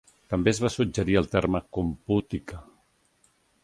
També es va suggerir el terme "compútica".